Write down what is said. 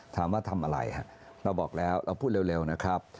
ถามว่าทำอะไรเราบอกแล้วเราพูดเร็วนะครับ